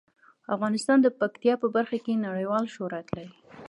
افغانستان د پکتیا په برخه کې نړیوال شهرت لري.